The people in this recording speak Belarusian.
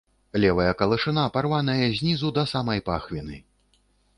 Левая калашына парваная знізу да самай пахвіны.